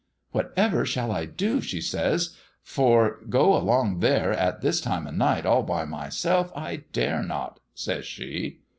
'Whatever shall I do?' she says, 'for go along there at this time of night all by myself I dare not,' says she.